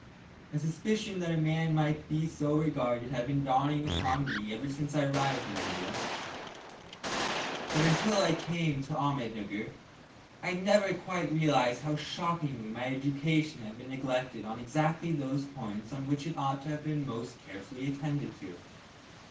A suspicion that a man might be so regarded had been dawning upon me ever since I arrived in India; but until I came to Ahmednugger I had never quite realised how shockingly my education had been neglected on exactly those points on which it ought to have been most carefully attended to.